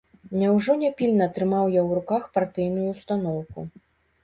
Няўжо няпільна трымаў я ў руках партыйную ўстаноўку?